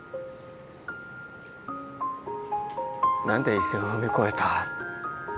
何で一線を踏み越えた？